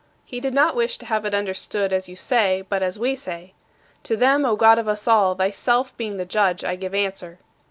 He did not wish to have it understood as you say, but as we say." To them, O God of us all, thyself being the judge, I give answer.